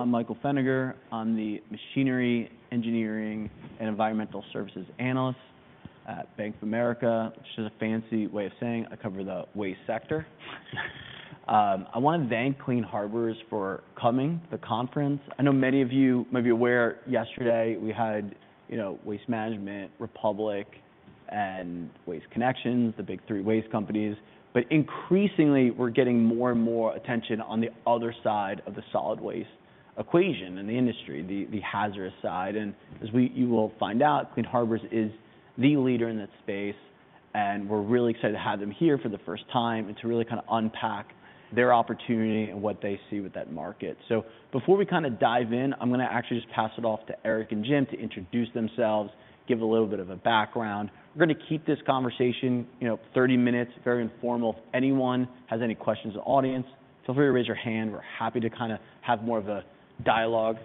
I'm Michael Feniger. I'm the Machinery Engineering and Environmental Services Analyst at Bank of America. Just a fancy way of saying I cover the waste sector. I want to thank Clean Harbors for coming to the conference. I know many of you may be aware yesterday we had Waste Management, Republic, and Waste Connections, the big three waste companies, but increasingly, we're getting more and more attention on the other side of the solid waste equation in the industry, the hazardous side, and as you will find out, Clean Harbors is the leader in that space, and we're really excited to have them here for the first time and to really kind of unpack their opportunity and what they see with that market. So before we kind of dive in, I'm going to actually just pass it off to Eric and Jim to introduce themselves, give a little bit of a background. We're going to keep this conversation 30 minutes, very informal. If anyone has any questions in the audience, feel free to raise your hand. We're happy to kind of have more of a dialogue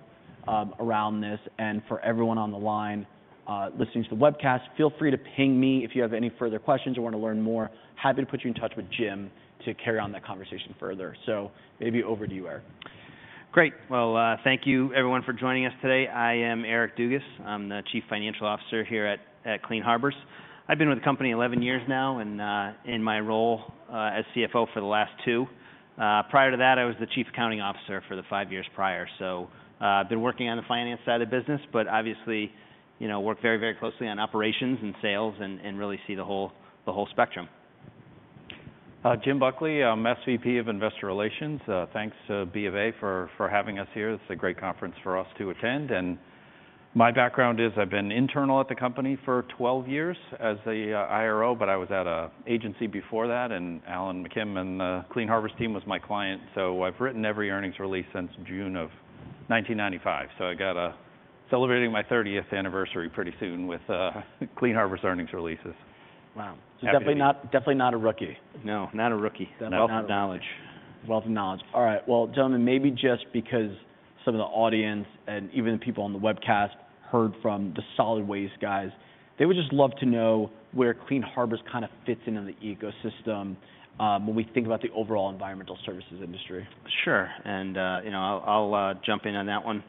around this. And for everyone on the line listening to the webcast, feel free to ping me if you have any further questions or want to learn more. Happy to put you in touch with Jim to carry on that conversation further. So maybe over to you, Eric. Great. Well, thank you, everyone, for joining us today. I am Eric Dugas. I'm the Chief Financial Officer here at Clean Harbors. I've been with the company 11 years now and in my role as CFO for the last two. Prior to that, I was the Chief Accounting Officer for the five years prior. So I've been working on the finance side of the business, but obviously worked very, very closely on operations and sales and really see the whole spectrum. Jim Buckley, I'm SVP of Investor Relations. Thanks to BofA for having us here. It's a great conference for us to attend. And my background is I've been internal at the company for 12 years as the IRO, but I was at an agency before that. And Alan McKim and the Clean Harbors team was my client. So I've written every earnings release since June of 1995. So I got to celebrate my 30th anniversary pretty soon with Clean Harbors earnings releases. Wow. So definitely not a rookie. No, not a rookie. Wealth of knowledge. Wealth of knowledge. All right. Well, gentlemen, maybe just because some of the audience and even the people on the webcast heard from the solid waste guys, they would just love to know where Clean Harbors kind of fits into the ecosystem when we think about the overall environmental services industry. Sure, and I'll jump in on that one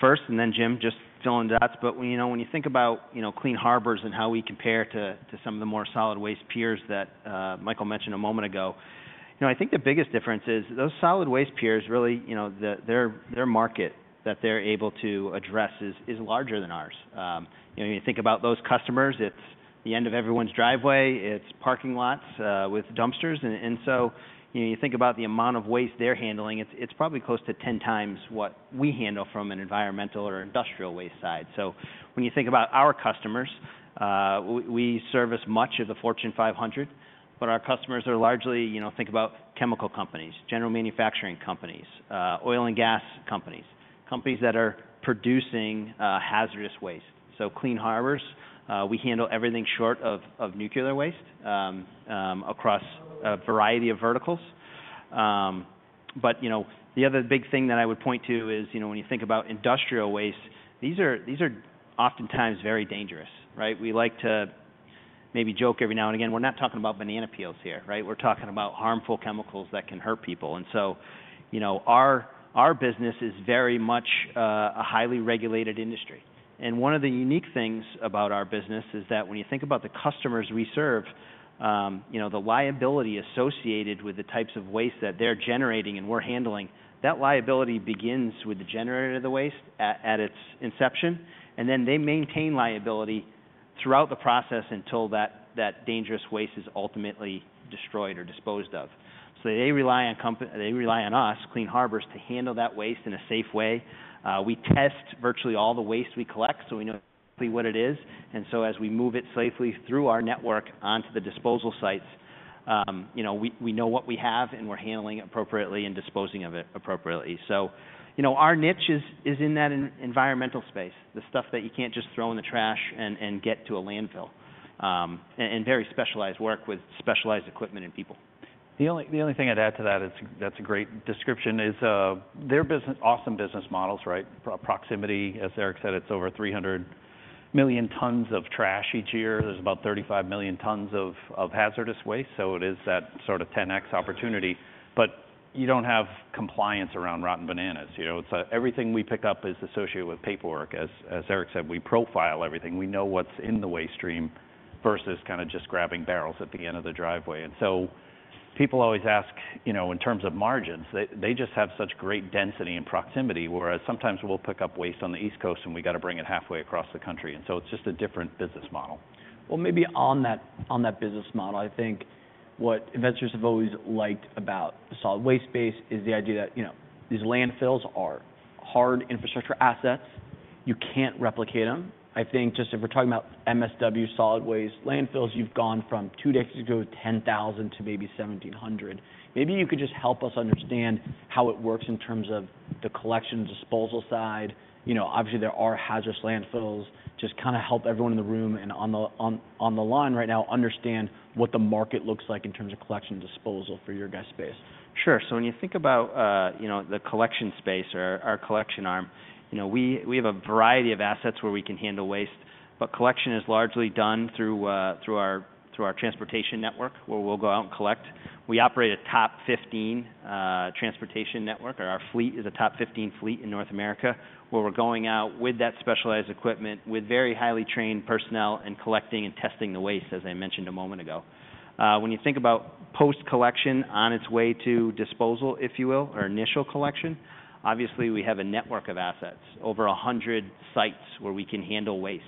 first, and then Jim, just fill in the dots, but when you think about Clean Harbors and how we compare to some of the more solid waste peers that Michael mentioned a moment ago, I think the biggest difference is those solid waste peers, really, their market that they're able to address is larger than ours. You think about those customers. It's the end of everyone's driveway. It's parking lots with dumpsters, and so you think about the amount of waste they're handling, it's probably close to 10x what we handle from an environmental or industrial waste side, so when you think about our customers, we service much of the Fortune 500, but our customers are largely, think about chemical companies, general manufacturing companies, oil and gas companies, companies that are producing hazardous waste. So Clean Harbors, we handle everything short of nuclear waste across a variety of verticals. But the other big thing that I would point to is when you think about industrial waste, these are oftentimes very dangerous. We like to maybe joke every now and again, we're not talking about banana peels here. We're talking about harmful chemicals that can hurt people. And so our business is very much a highly regulated industry. And one of the unique things about our business is that when you think about the customers we serve, the liability associated with the types of waste that they're generating and we're handling, that liability begins with the generator of the waste at its inception. And then they maintain liability throughout the process until that dangerous waste is ultimately destroyed or disposed of. So they rely on us, Clean Harbors, to handle that waste in a safe way. We test virtually all the waste we collect so we know exactly what it is. And so as we move it safely through our network onto the disposal sites, we know what we have and we're handling it appropriately and disposing of it appropriately. So our niche is in that environmental space, the stuff that you can't just throw in the trash and get to a landfill. And very specialized work with specialized equipment and people. The only thing I'd add to that, that's a great description, is their awesome business models, right? Proximity, as Eric said, it's over 300 million tons of trash each year. There's about 35 million tons of hazardous waste. So it is that sort of 10x opportunity. But you don't have compliance around rotten bananas. Everything we pick up is associated with paperwork. As Eric said, we profile everything. We know what's in the waste stream versus kind of just grabbing barrels at the end of the driveway. And so people always ask in terms of margins, they just have such great density and proximity, whereas sometimes we'll pick up waste on the East Coast and we got to bring it halfway across the country. And so it's just a different business model. Maybe on that business model, I think what investors have always liked about the solid waste space is the idea that these landfills are hard infrastructure assets. You can't replicate them. I think just if we're talking about MSW solid waste landfills, you've gone from two decades ago 10,000 to maybe 1,700. Maybe you could just help us understand how it works in terms of the collection and disposal side. Obviously, there are hazardous landfills. Just kind of help everyone in the room and on the line right now understand what the market looks like in terms of collection and disposal for your guys' space. Sure. So when you think about the collection space or our collection arm, we have a variety of assets where we can handle waste. But collection is largely done through our transportation network where we'll go out and collect. We operate a top 15 transportation network. Our fleet is a top 15 fleet in North America where we're going out with that specialized equipment with very highly trained personnel and collecting and testing the waste, as I mentioned a moment ago. When you think about post-collection on its way to disposal, if you will, or initial collection, obviously we have a network of assets, over 100 sites where we can handle waste.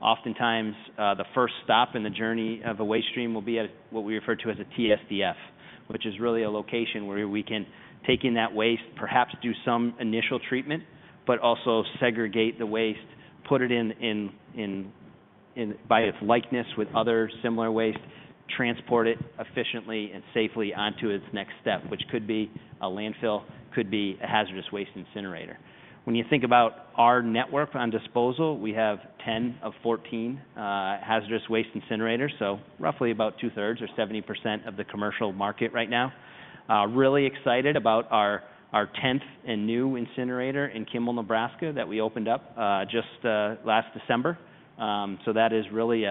Oftentimes, the first stop in the journey of a waste stream will be at what we refer to as a TSDF, which is really a location where we can take in that waste, perhaps do some initial treatment, but also segregate the waste, put it in by its likeness with other similar waste, transport it efficiently and safely onto its next step, which could be a landfill, could be a hazardous waste incinerator. When you think about our network on disposal, we have 10 of 14 hazardous waste incinerators, so roughly about two-thirds or 70% of the commercial market right now. Really excited about our 10th and new incinerator in Kimball, Nebraska, that we opened up just last December. So that is really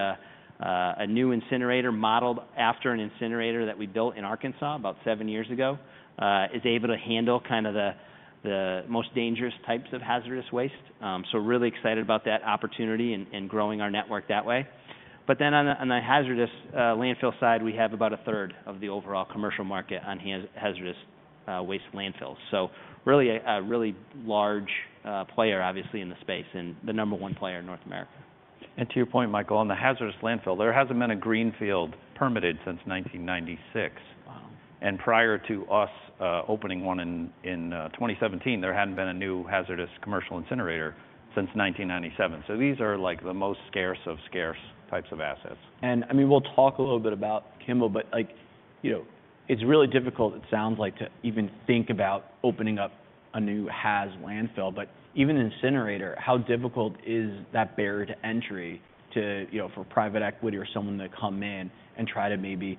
a new incinerator modeled after an incinerator that we built in Arkansas about seven years ago, is able to handle kind of the most dangerous types of hazardous waste. So really excited about that opportunity and growing our network that way. But then on the hazardous landfill side, we have about a third of the overall commercial market on hazardous waste landfills. So really a large player, obviously, in the space and the number one player in North America. And to your point, Michael, on the hazardous landfill, there hasn't been a greenfield permitted since 1996. And prior to us opening one in 2017, there hadn't been a new hazardous commercial incinerator since 1997. So these are like the most scarce of scarce types of assets. And I mean, we'll talk a little bit about Kimball, but it's really difficult, it sounds like, to even think about opening up a new haz landfill. But even incinerator, how difficult is that barrier to entry for private equity or someone to come in and try to maybe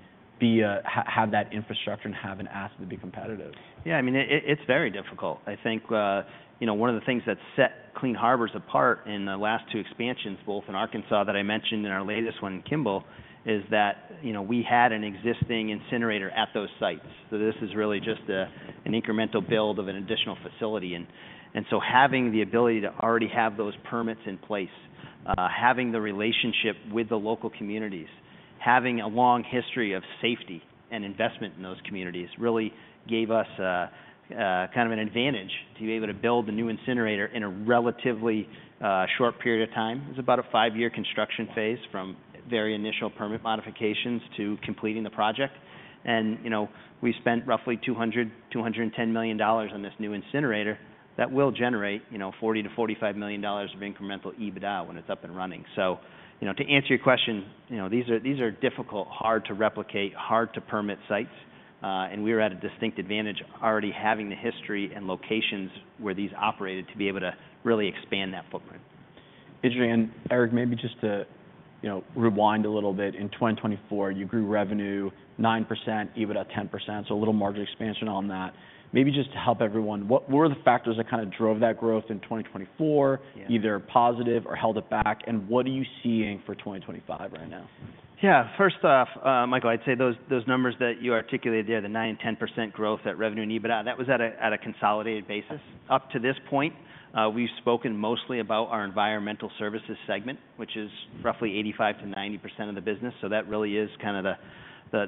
have that infrastructure and have an asset to be competitive? Yeah. I mean, it's very difficult. I think one of the things that set Clean Harbors apart in the last two expansions, both in Arkansas that I mentioned and our latest one in Kimball, is that we had an existing incinerator at those sites. So this is really just an incremental build of an additional facility. And so having the ability to already have those permits in place, having the relationship with the local communities, having a long history of safety and investment in those communities really gave us kind of an advantage to be able to build the new incinerator in a relatively short period of time. It was about a five-year construction phase from very initial permit modifications to completing the project. And we spent roughly $200-$210 million on this new incinerator that will generate $40-$45 million of incremental EBITDA when it's up and running. To answer your question, these are difficult, hard to replicate, hard to permit sites. We were at a distinct advantage already having the history and locations where these operated to be able to really expand that footprint. Interesting. And Eric, maybe just to rewind a little bit. In 2024, you grew revenue 9%, EBITDA 10%. So a little margin expansion on that. Maybe just to help everyone, what were the factors that kind of drove that growth in 2024, either positive or held it back? And what are you seeing for 2025 right now? Yeah. First off, Michael, I'd say those numbers that you articulated there, the 9% and 10% growth at revenue and EBITDA, that was at a consolidated basis. Up to this point, we've spoken mostly about our environmental services segment, which is roughly 85%-90% of the business. So that really is kind of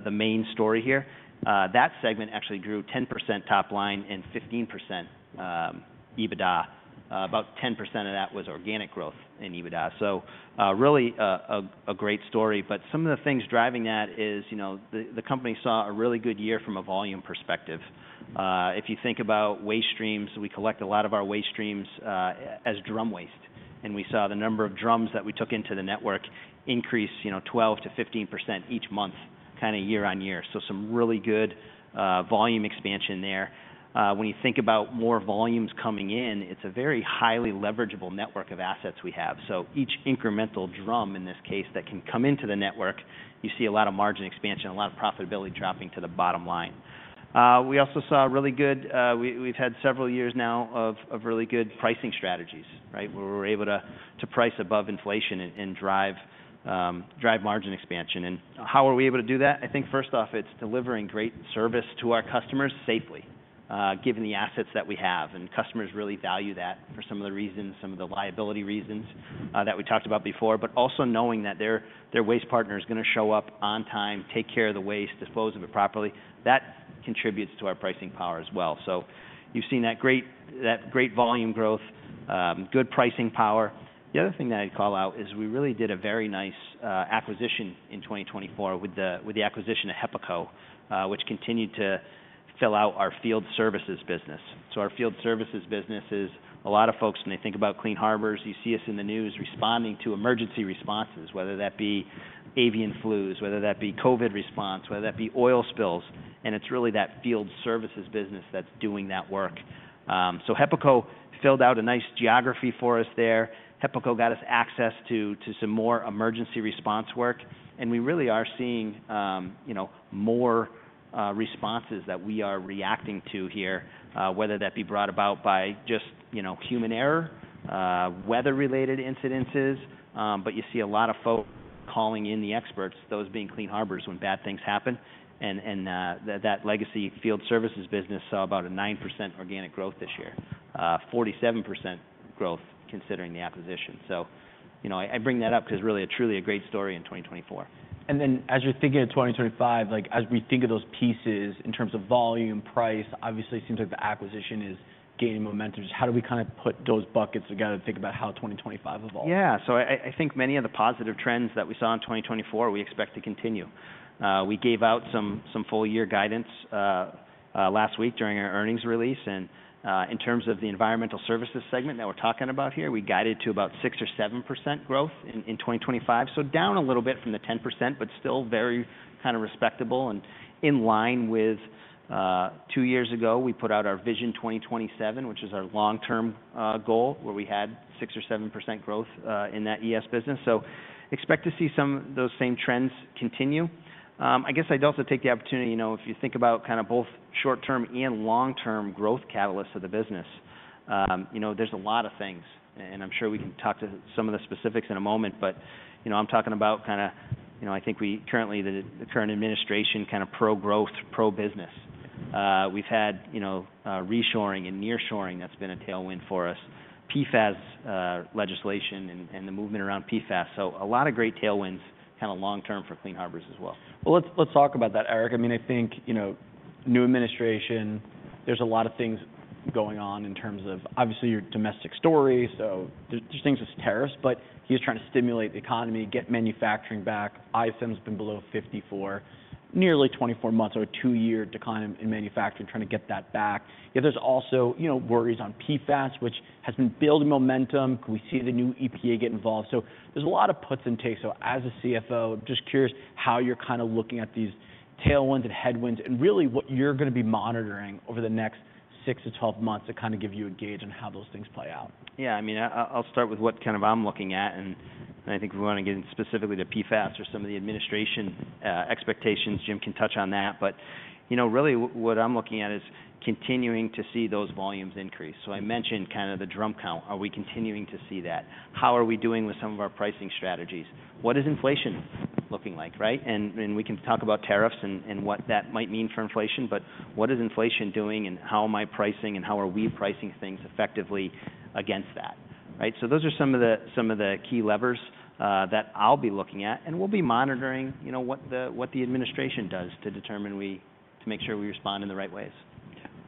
the main story here. That segment actually grew 10% top line and 15% EBITDA. About 10% of that was organic growth in EBITDA. So really a great story. But some of the things driving that is the company saw a really good year from a volume perspective. If you think about waste streams, we collect a lot of our waste streams as drum waste. And we saw the number of drums that we took into the network increase 12%-15% each month, kind of year on year. So some really good volume expansion there. When you think about more volumes coming in, it's a very highly leverageable network of assets we have. So each incremental drum in this case that can come into the network, you see a lot of margin expansion, a lot of profitability dropping to the bottom line. We also saw really good, we've had several years now of really good pricing strategies where we're able to price above inflation and drive margin expansion. And how are we able to do that? I think first off, it's delivering great service to our customers safely, given the assets that we have. And customers really value that for some of the reasons, some of the liability reasons that we talked about before. But also knowing that their waste partner is going to show up on time, take care of the waste, dispose of it properly, that contributes to our pricing power as well. So you've seen that great volume growth, good pricing power. The other thing that I'd call out is we really did a very nice acquisition in 2024 with the acquisition of HEPACO, which continued to fill out our field services business. Our field services business is a lot of folks, when they think about Clean Harbors, you see us in the news responding to emergency responses, whether that be avian flus, whether that be COVID response, whether that be oil spills. And it's really that field services business that's doing that work. So HEPACO filled out a nice geography for us there. HEPACO got us access to some more emergency response work. And we really are seeing more responses that we are reacting to here, whether that be brought about by just human error, weather-related incidents. You see a lot of folks calling in the experts, those being Clean Harbors, when bad things happen. That legacy field services business saw about a 9% organic growth this year, 47% growth considering the acquisition. I bring that up because it is really a truly great story in 2024. And then as you're thinking of 2025, as we think of those pieces in terms of volume, price, obviously it seems like the acquisition is gaining momentum. Just how do we kind of put those buckets together and think about how 2025 evolves? Yeah. So I think many of the positive trends that we saw in 2024, we expect to continue. We gave out some full-year guidance last week during our earnings release. And in terms of the Environmental Services segment that we're talking about here, we guided to about 6% or 7% growth in 2025. So down a little bit from the 10%, but still very kind of respectable. And in line with two years ago, we put out our Vision 2027, which is our long-term goal where we had 6% or 7% growth in that ES business. So expect to see some of those same trends continue. I guess I'd also take the opportunity, if you think about kind of both short-term and long-term growth catalysts of the business, there's a lot of things. And I'm sure we can talk to some of the specifics in a moment. I'm talking about kind of, I think, the current administration kind of pro-growth, pro-business. We've had reshoring and nearshoring that's been a tailwind for us, PFAS legislation and the movement around PFAS. A lot of great tailwinds kind of long-term for Clean Harbors as well. Well, let's talk about that, Eric. I mean, I think new administration, there's a lot of things going on in terms of obviously your domestic story, so there's things with tariffs, but he's trying to stimulate the economy, get manufacturing back. ISM has been below 54 nearly 24 months or a two-year decline in manufacturing, trying to get that back. There's also worries on PFAS, which has been building momentum. Can we see the new EPA get involved, so there's a lot of puts and takes, so as a CFO, I'm just curious how you're kind of looking at these tailwinds and headwinds and really what you're going to be monitoring over the next 6-12 months to kind of give you a gauge on how those things play out. Yeah. I mean, I'll start with what I'm kind of looking at, and I think we want to get into specifically the PFAS or some of the administration expectations. Jim can touch on that, but really what I'm looking at is continuing to see those volumes increase, so I mentioned kind of the drum count. Are we continuing to see that? How are we doing with some of our pricing strategies? What is inflation looking like, right, and we can talk about tariffs and what that might mean for inflation, but what is inflation doing and how am I pricing and how are we pricing things effectively against that, right? So those are some of the key levers that I'll be looking at, and we'll be monitoring what the administration does to determine we to make sure we respond in the right ways.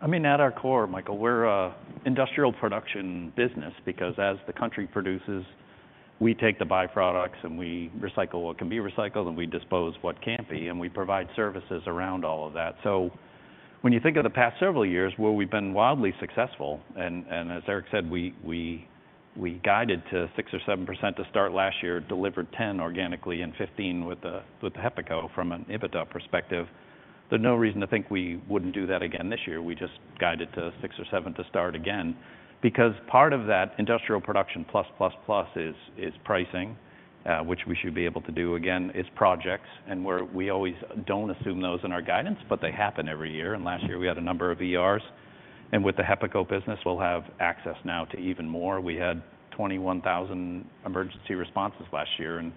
I mean, at our core, Michael, we're an industrial production business because as the country produces, we take the byproducts and we recycle what can be recycled and we dispose what can't be. And we provide services around all of that. So when you think of the past several years, well, we've been wildly successful. And as Eric said, we guided to 6% or 7% to start last year, delivered 10% organically and 15% with the HEPACO from an EBITDA perspective. There's no reason to think we wouldn't do that again this year. We just guided to 6% or 7% to start again. Because part of that industrial production plus, plus, plus is pricing, which we should be able to do again, is projects. And we always don't assume those in our guidance, but they happen every year. And last year we had a number of ERs. With the HEPACO business, we'll have access now to even more. We had 21,000 emergency responses last year. And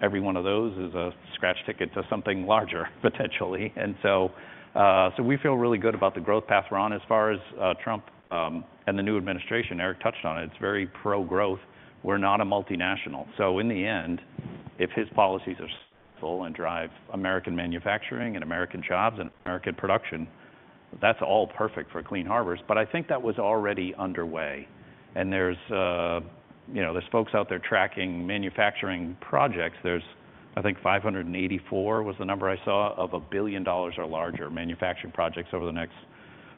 every one of those is a scratch ticket to something larger potentially. And so we feel really good about the growth path we're on as far as Trump and the new administration. Eric touched on it. It's very pro-growth. We're not a multinational. So in the end, if his policies are successful and drive American manufacturing and American jobs and American production, that's all perfect for Clean Harbors. But I think that was already underway. And there's folks out there tracking manufacturing projects. There's, I think, 584 was the number I saw of $1 billion or larger manufacturing projects over the next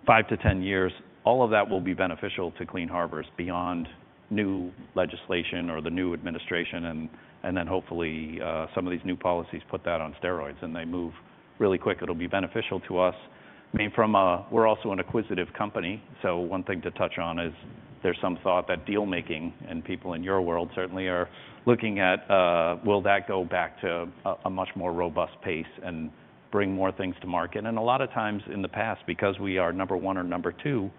five to 10 years. All of that will be beneficial to Clean Harbors beyond new legislation or the new administration. And then hopefully some of these new policies put that on steroids. And they move really quick. It'll be beneficial to us. I mean, from a, we're also an acquisitive company. So one thing to touch on is there's some thought that dealmaking and people in your world certainly are looking at, will that go back to a much more robust pace and bring more things to market? And a lot of times in the past, because we are number one or number two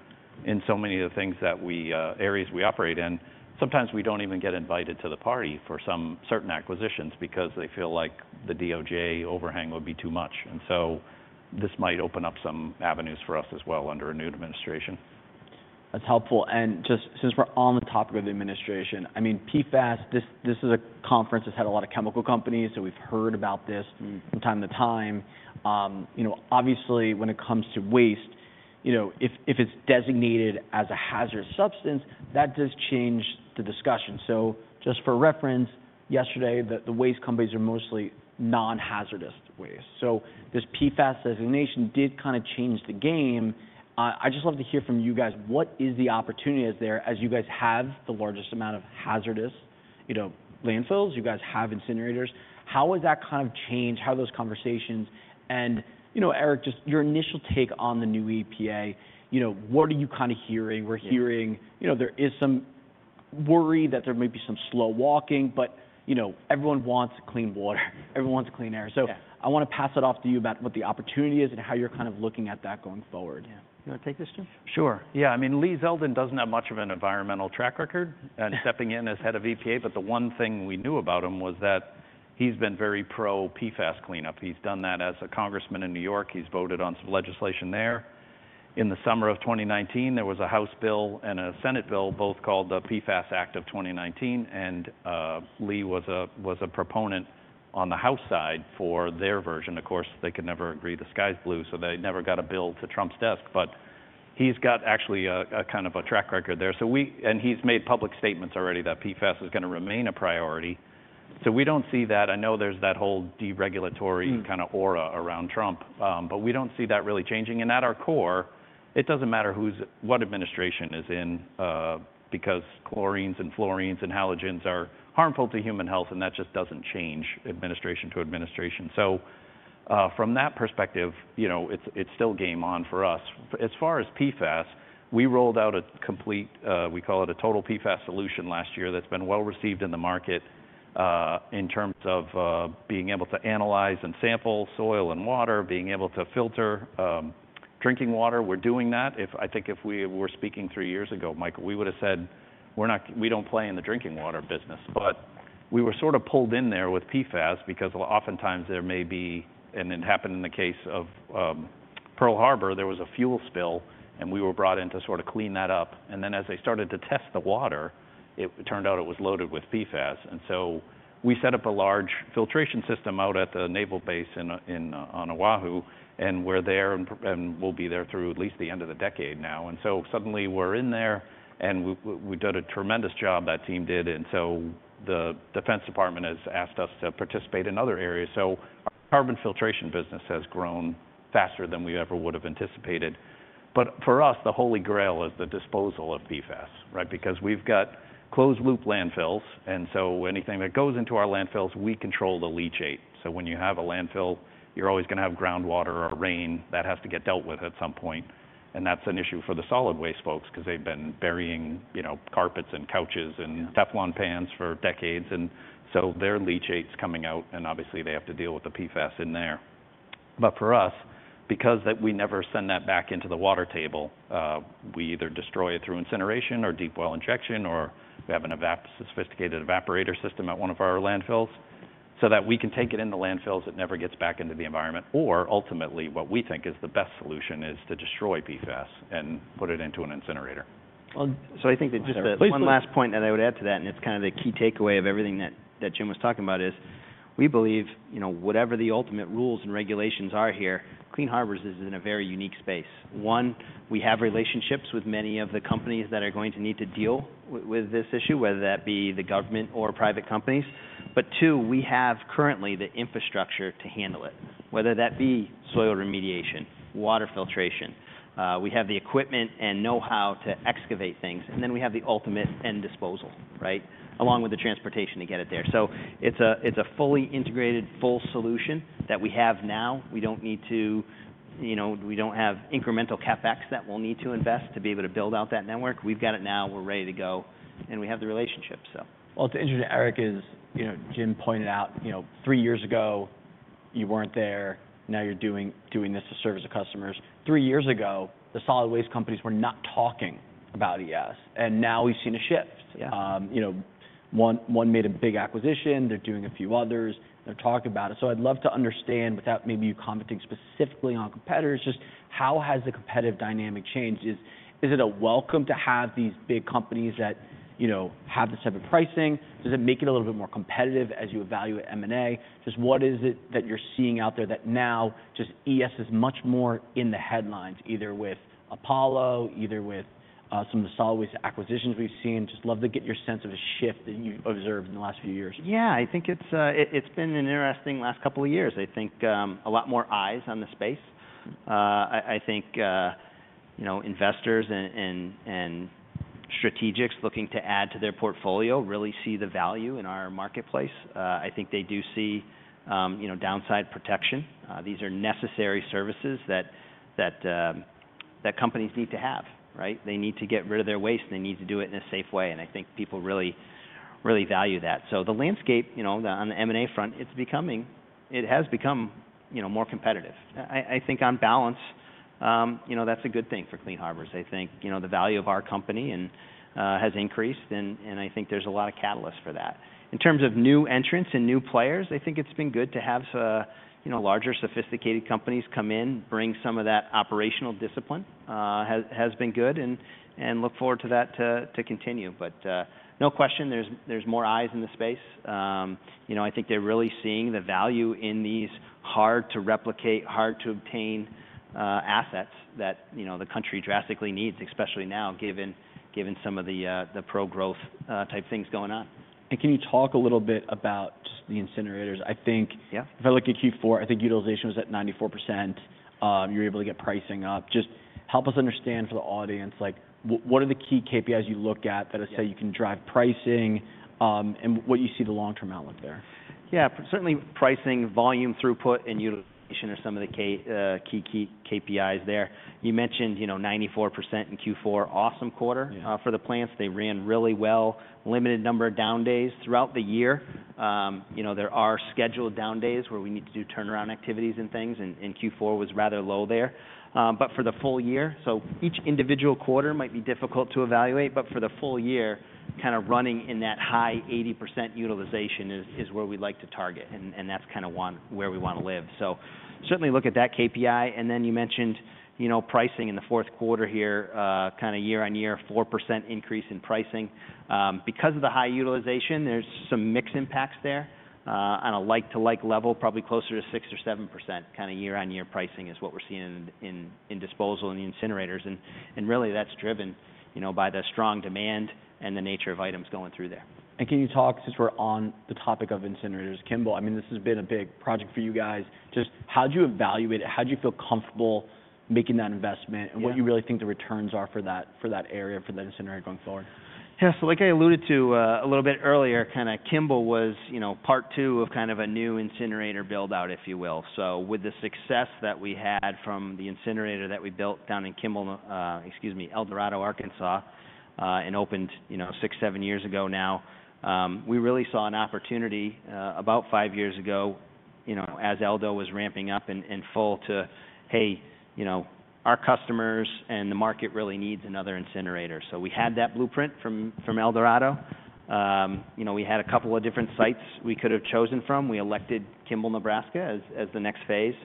in so many of the areas we operate in, sometimes we don't even get invited to the party for some certain acquisitions because they feel like the DOJ overhang would be too much. And so this might open up some avenues for us as well under a new administration. That's helpful. And just since we're on the topic of the administration, I mean, PFAS, this is a conference that's had a lot of chemical companies. So we've heard about this from time to time. Obviously, when it comes to waste, if it's designated as a hazardous substance, that does change the discussion. So just for reference, yesterday, the waste companies are mostly non-hazardous waste. So this PFAS designation did kind of change the game. I just love to hear from you guys, what is the opportunity there as you guys have the largest amount of hazardous landfills, you guys have incinerators? How has that kind of changed how those conversations? And Eric, just your initial take on the new EPA, what are you kind of hearing? We're hearing there is some worry that there may be some slow walking, but everyone wants clean water. Everyone wants clean air. So I want to pass it off to you about what the opportunity is and how you're kind of looking at that going forward. Yeah. You want to take this, Jim? Sure. Yeah. I mean, Lee Zeldin doesn't have much of an environmental track record and stepping in as head of EPA. But the one thing we knew about him was that he's been very pro-PFAS cleanup. He's done that as a congressman in New York. He's voted on some legislation there. In the summer of 2019, there was a House bill and a Senate bill both called the PFAS Act of 2019. And Lee was a proponent on the House side for their version. Of course, they could never agree, the sky's blue. So they never got a bill to Trump's desk. But he's got actually a kind of a track record there. And he's made public statements already that PFAS is going to remain a priority. So we don't see that. I know there's that whole deregulatory kind of aura around Trump. But we don't see that really changing. And at our core, it doesn't matter what administration is in because chlorines and fluorines and halogens are harmful to human health. And that just doesn't change administration to administration. So from that perspective, it's still game on for us. As far as PFAS, we rolled out a complete, we call it a total PFAS solution last year that's been well received in the market in terms of being able to analyze and sample soil and water, being able to filter drinking water. We're doing that. I think if we were speaking three years ago, Michael, we would have said, we don't play in the drinking water business. But we were sort of pulled in there with PFAS because oftentimes there may be, and it happened in the case of Pearl Harbor, there was a fuel spill and we were brought in to sort of clean that up. Then as they started to test the water, it turned out it was loaded with PFAS. We set up a large filtration system out at the naval base in Oahu. We're there and we'll be there through at least the end of the decade now. Suddenly we're in there and we've done a tremendous job that team did. The Defense Department has asked us to participate in other areas. Our carbon filtration business has grown faster than we ever would have anticipated. For us, the Holy Grail is the disposal of PFAS, right? We've got closed-loop landfills. Anything that goes into our landfills, we control the leachate. When you have a landfill, you're always going to have groundwater or rain that has to get dealt with at some point. That's an issue for the solid waste folks because they've been burying carpets and couches and Teflon pans for decades. So their leachate's coming out. Obviously they have to deal with the PFAS in there. But for us, because we never send that back into the water table, we either destroy it through incineration or deep well injection or we have a sophisticated evaporator system at one of our landfills so that we can take it in the landfills. It never gets back into the environment. Ultimately what we think is the best solution is to destroy PFAS and put it into an incinerator. So I think that just one last point that I would add to that, and it's kind of the key takeaway of everything that Jim was talking about is we believe whatever the ultimate rules and regulations are here, Clean Harbors is in a very unique space. One, we have relationships with many of the companies that are going to need to deal with this issue, whether that be the government or private companies. But two, we have currently the infrastructure to handle it, whether that be soil remediation, water filtration. We have the equipment and know-how to excavate things. And then we have the ultimate end disposal, right? Along with the transportation to get it there. So it's a fully integrated, full solution that we have now. We don't need to, we don't have incremental CapEx that we'll need to invest to be able to build out that network. We've got it now. We're ready to go. And we have the relationship, so. Well, it's interesting, Eric, as Jim pointed out, three years ago, you weren't there. Now you're doing this to serve as a customer's. Three years ago, the solid waste companies were not talking about ES, and now we've seen a shift. One made a big acquisition. They're doing a few others. They're talking about it, so I'd love to understand without maybe you commenting specifically on competitors, just how has the competitive dynamic changed? Is it a welcome to have these big companies that have this type of pricing? Does it make it a little bit more competitive as you evaluate M&A? Just what is it that you're seeing out there that now just ES is much more in the headlines, either with Apollo, either with some of the solid waste acquisitions we've seen? Just love to get your sense of the shift that you've observed in the last few years. Yeah. I think it's been an interesting last couple of years. I think a lot more eyes on the space. I think investors and strategics looking to add to their portfolio really see the value in our marketplace. I think they do see downside protection. These are necessary services that companies need to have, right? They need to get rid of their waste. They need to do it in a safe way. And I think people really, really value that. So the landscape on the M&A front, it's becoming, it has become more competitive. I think on balance, that's a good thing for Clean Harbors. I think the value of our company has increased. And I think there's a lot of catalysts for that. In terms of new entrants and new players, I think it's been good to have larger sophisticated companies come in, bring some of that operational discipline, has been good, and look forward to that to continue, but no question, there's more eyes in the space. I think they're really seeing the value in these hard to replicate, hard to obtain assets that the country drastically needs, especially now given some of the pro-growth type things going on. Can you talk a little bit about just the incinerators? I think if I look at Q4, I think utilization was at 94%. You were able to get pricing up. Just help us understand for the audience, what are the key KPIs you look at that say you can drive pricing and what you see the long-term outlook there? Yeah. Certainly pricing, volume, throughput, and utilization are some of the key KPIs there. You mentioned 94% in Q4, awesome quarter for the plants. They ran really well, limited number of down days throughout the year. There are scheduled down days where we need to do turnaround activities and things. And Q4 was rather low there. But for the full year, so each individual quarter might be difficult to evaluate. But for the full year, kind of running in that high 80% utilization is where we'd like to target. And that's kind of where we want to live. So certainly look at that KPI. And then you mentioned pricing in the fourth quarter here, kind of year on year, 4% increase in pricing. Because of the high utilization, there's some mixed impacts there. On a like-to-like level, probably closer to 6% or 7% kind of year on year pricing is what we're seeing in disposal and incinerators, and really that's driven by the strong demand and the nature of items going through there. And can you talk, since we're on the topic of incinerators, Kimball? I mean, this has been a big project for you guys. Just how'd you evaluate it? How'd you feel comfortable making that investment and what you really think the returns are for that area, for that incinerator going forward? Yeah. So like I alluded to a little bit earlier, kind of Kimball was part two of kind of a new incinerator build-out, if you will. So with the success that we had from the incinerator that we built down in Kimball, excuse me, El Dorado, Arkansas, and opened six, seven years ago now, we really saw an opportunity about five years ago as Eldo was ramping up in full to, hey, our customers and the market really needs another incinerator. So we had that blueprint from El Dorado. We had a couple of different sites we could have chosen from. We elected Kimball, Nebraska as the next phase.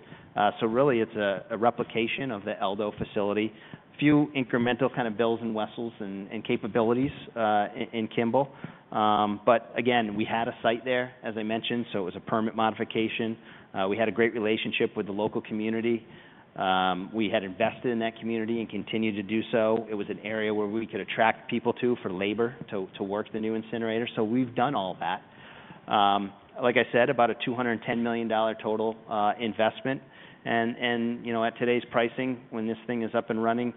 So really it's a replication of the Eldo facility. Few incremental kind of bells and whistles and capabilities in Kimball. But again, we had a site there, as I mentioned. So it was a permit modification. We had a great relationship with the local community. We had invested in that community and continued to do so. It was an area where we could attract people to for labor to work the new incinerator. So we've done all that. Like I said, about a $210 million total investment. And at today's pricing, when this thing is up and running,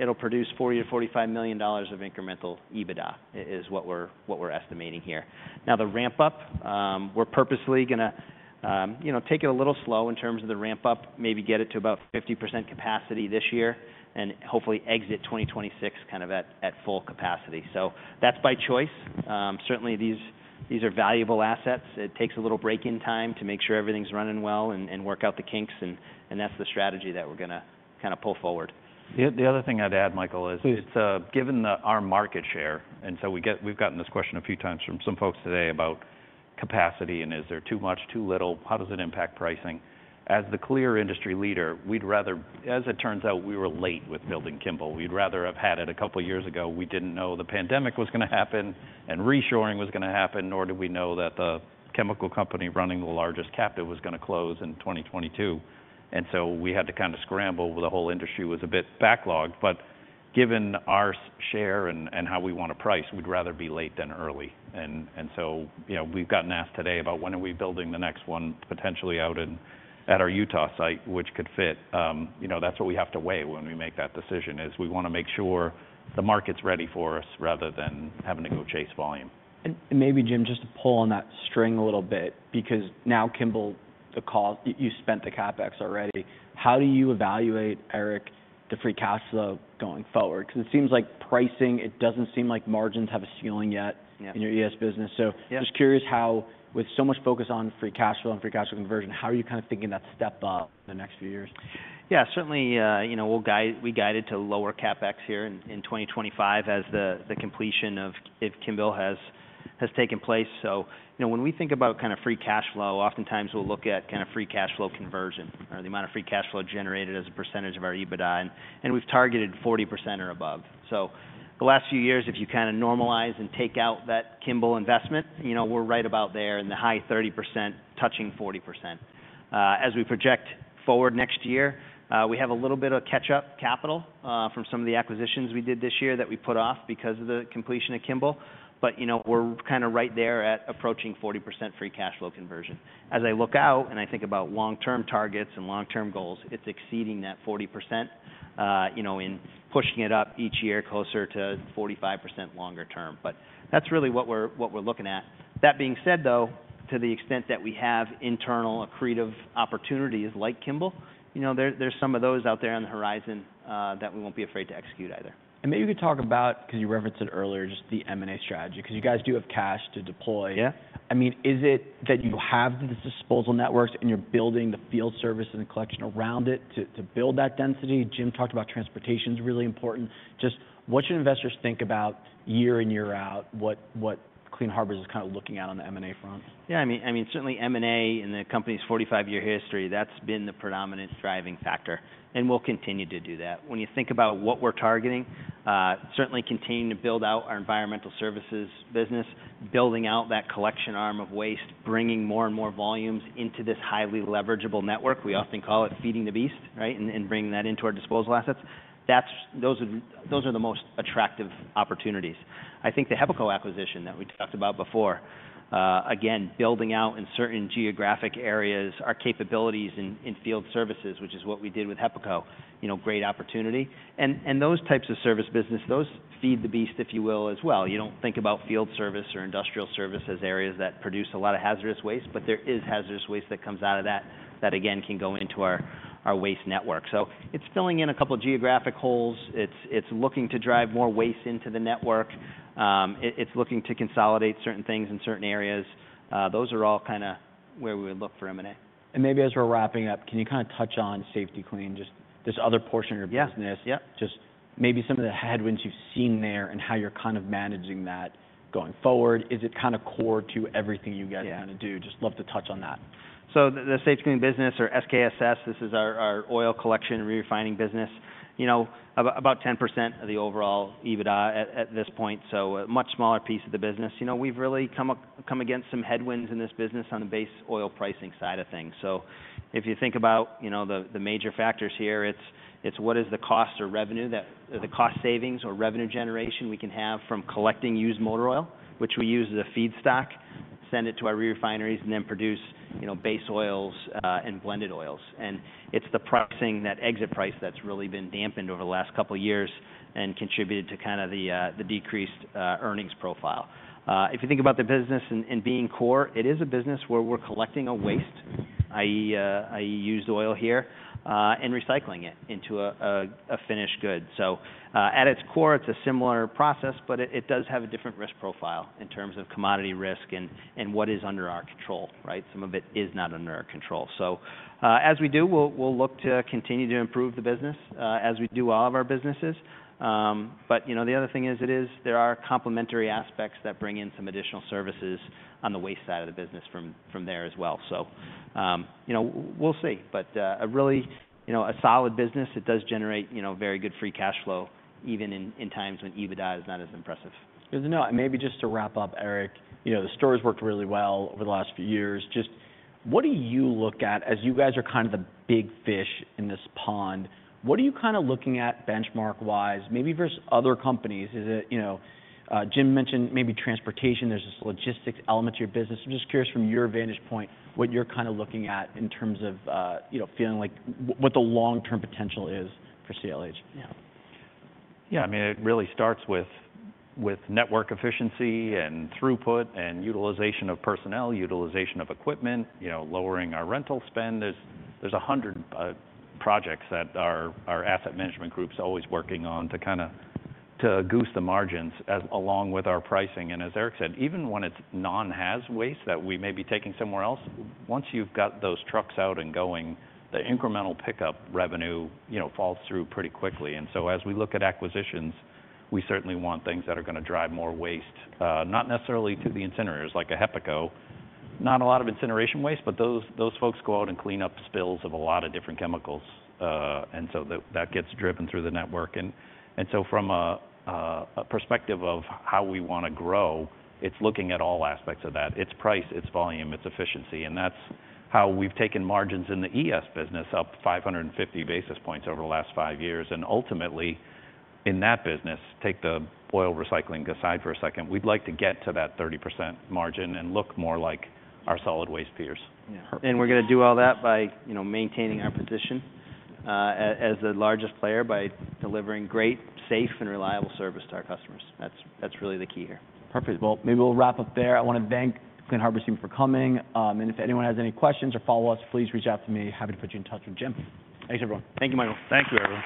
it'll produce $40-$45 million of incremental EBITDA, which is what we're estimating here. Now the ramp-up, we're purposely going to take it a little slow in terms of the ramp-up, maybe get it to about 50% capacity this year and hopefully exit 2026 kind of at full capacity. So that's by choice. Certainly these are valuable assets. It takes a little break-in time to make sure everything's running well and work out the kinks. And that's the strategy that we're going to kind of pull forward. The other thing I'd add, Michael, is given our market share, and so we've gotten this question a few times from some folks today about capacity and is there too much, too little, how does it impact pricing? As the clear industry leader, we'd rather, as it turns out, we were late with building Kimball. We'd rather have had it a couple of years ago. We didn't know the pandemic was going to happen and reshoring was going to happen, nor did we know that the chemical company running the largest captive was going to close in 2022. And so we had to kind of scramble with the whole industry was a bit backlogged. But given our share and how we want to price, we'd rather be late than early. And so we've gotten asked today about when are we building the next one potentially out at our Utah site, which could fit. That's what we have to weigh when we make that decision is we want to make sure the market's ready for us rather than having to go chase volume. And maybe, Jim, just to pull on that string a little bit because now Kimball, you spent the CapEx already. How do you evaluate, Eric, the free cash flow going forward? Because it seems like pricing, it doesn't seem like margins have a ceiling yet in your ES business. So just curious how, with so much focus on free cash flow and free cash flow conversion, how are you kind of thinking that step up in the next few years? Yeah. Certainly we guided to lower CapEx here in 2025 as the completion of Kimball has taken place, so when we think about kind of free cash flow, oftentimes we'll look at kind of free cash flow conversion or the amount of free cash flow generated as a percentage of our EBITDA, and we've targeted 40% or above, so the last few years, if you kind of normalize and take out that Kimball investment, we're right about there in the high 30% touching 40%. As we project forward next year, we have a little bit of catch-up capital from some of the acquisitions we did this year that we put off because of the completion of Kimball, but we're kind of right there at approaching 40% free cash flow conversion. As I look out and I think about long-term targets and long-term goals, it's exceeding that 40% in pushing it up each year closer to 45% longer term. But that's really what we're looking at. That being said though, to the extent that we have internal accretive opportunities like Kimball, there's some of those out there on the horizon that we won't be afraid to execute either. Maybe you could talk about, because you referenced it earlier, just the M&A strategy because you guys do have cash to deploy. I mean, is it that you have these disposal networks and you're building the field service and collection around it to build that density? Jim talked about transportation's really important. Just what should investors think about year in, year out, what Clean Harbors is kind of looking at on the M&A front? Yeah. I mean, certainly M&A in the company's 45-year history, that's been the predominant driving factor. And we'll continue to do that. When you think about what we're targeting, certainly continuing to build out our environmental services business, building out that collection arm of waste, bringing more and more volumes into this highly leverageable network. We often call it feeding the beast, right? And bringing that into our disposal assets. Those are the most attractive opportunities. I think the HEPACO acquisition that we talked about before, again, building out in certain geographic areas our capabilities in field services, which is what we did with HEPACO, great opportunity. And those types of service business, those feed the beast, if you will, as well. You don't think about field service or industrial service as areas that produce a lot of hazardous waste, but there is hazardous waste that comes out of that that again can go into our waste network. So it's filling in a couple of geographic holes. It's looking to drive more waste into the network. It's looking to consolidate certain things in certain areas. Those are all kind of where we would look for M&A. Maybe as we're wrapping up, can you kind of touch on Safety-Kleen, just this other portion of your business, just maybe some of the headwinds you've seen there and how you're kind of managing that going forward? Is it kind of core to everything you guys kind of do? Just love to touch on that. So the Safety-Kleen business or SKSS, this is our oil collection and refining business, about 10% of the overall EBITDA at this point. So a much smaller piece of the business. We've really come against some headwinds in this business on the base oil pricing side of things. So if you think about the major factors here, it's what is the cost or revenue, the cost savings or revenue generation we can have from collecting used motor oil, which we use as a feedstock, send it to our refineries, and then produce base oils and blended oils. And it's the pricing, that exit price that's really been dampened over the last couple of years and contributed to kind of the decreased earnings profile. If you think about the business and being core, it is a business where we're collecting a waste, i.e., used oil here, and recycling it into a finished good. So at its core, it's a similar process, but it does have a different risk profile in terms of commodity risk and what is under our control, right? Some of it is not under our control. So as we do, we'll look to continue to improve the business as we do all of our businesses. But the other thing is there are complementary aspects that bring in some additional services on the waste side of the business from there as well. So we'll see. But really a solid business, it does generate very good free cash flow even in times when EBITDA is not as impressive. Good to know. And maybe just to wrap up, Eric, the story has worked really well over the last few years. Just what do you look at as you guys are kind of the big fish in this pond? What are you kind of looking at benchmark-wise? Maybe versus other companies. Jim mentioned maybe transportation. There's this logistics element to your business. I'm just curious from your vantage point what you're kind of looking at in terms of feeling like what the long-term potential is for CLH. Yeah. Yeah. I mean, it really starts with network efficiency and throughput and utilization of personnel, utilization of equipment, lowering our rental spend. There's a hundred projects that our asset management group's always working on to kind of goose the margins along with our pricing. And as Eric said, even when it's non-haz waste that we may be taking somewhere else, once you've got those trucks out and going, the incremental pickup revenue falls through pretty quickly. And so as we look at acquisitions, we certainly want things that are going to drive more waste, not necessarily to the incinerators like a HEPACO. Not a lot of incineration waste, but those folks go out and clean up spills of a lot of different chemicals. And so that gets driven through the network. And so from a perspective of how we want to grow, it's looking at all aspects of that. It's price, it's volume, it's efficiency. And that's how we've taken margins in the ES business up 550 basis points over the last five years. And ultimately in that business, take the oil recycling aside for a second, we'd like to get to that 30% margin and look more like our solid waste peers. We're going to do all that by maintaining our position as the largest player by delivering great, safe, and reliable service to our customers. That's really the key here. Perfect. Well, maybe we'll wrap up there. I want to thank Clean Harbors team for coming. And if anyone has any questions or follow-ups, please reach out to me. Happy to put you in touch with Jim. Thanks, everyone. Thank you, Michael. Thank you, Eric.